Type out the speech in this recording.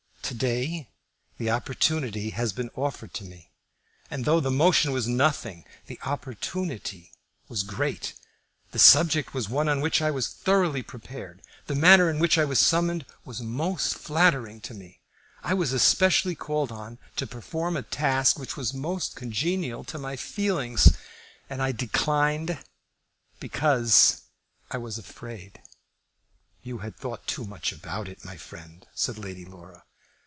To day the opportunity has been offered to me, and, though the motion was nothing, the opportunity was great. The subject was one on which I was thoroughly prepared. The manner in which I was summoned was most flattering to me. I was especially called on to perform a task which was most congenial to my feelings; and I declined because I was afraid." "You had thought too much about it, my friend," said Lady Laura.